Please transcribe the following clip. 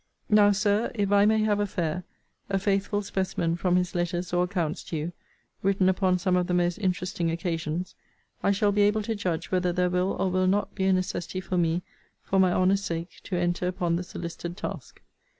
Now, Sir, if I may have a fair, a faithful specimen from his letters or accounts to you, written upon some of the most interesting occasions, I shall be able to judge whether there will or will not be a necessity for me, for my honour's sake, to enter upon the solicited task.